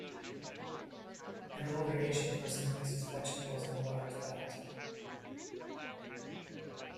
An older Asian person mixes vegetables in a large vat